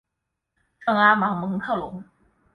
圣阿芒蒙特龙。